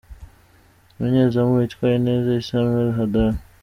Umunyezamu witwaye neza : Issam El Hadary .